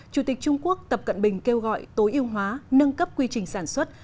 chủ tịch trung quốc tập cận bình kêu gọi tối ưu hóa nâng cấp quy trình sản xuất